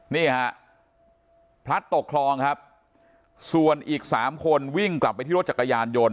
นี่ฮะพลัดตกคลองครับส่วนอีกสามคนวิ่งกลับไปที่รถจักรยานยนต์